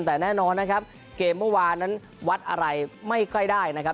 แต่แน่นอนเกมเมื่อวานนั้นวัดอะไรไม่ใกล้ได้นะครับ